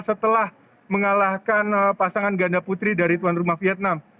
setelah mengalahkan pasangan ganda putri dari tuan rumah vietnam